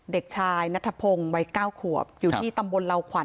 เด็กชายนัทพงศ์วัย๙ขวบอยู่ที่ตำบลเหล่าขวัญ